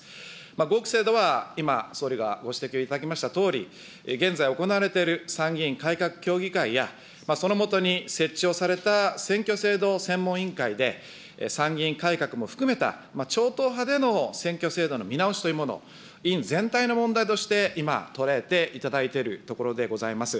合区制度は今、総理がご指摘をいただきましたとおり、現在行われている参議院改革協議会や、その下に設置をされた選挙制度専門委員会で、参議院改革も含めた超党派での選挙制度の見直しというもの、委員全体の問題として、今、捉えていただいているところでございます。